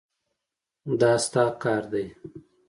دا ستا کار دی.